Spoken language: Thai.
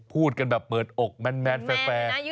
พูดกันแบบเปิดอกแมนแฟร์